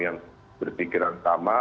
yang berpikiran sama